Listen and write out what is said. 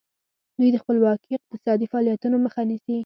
دوی د خپلواکو اقتصادي فعالیتونو مخه نیسي.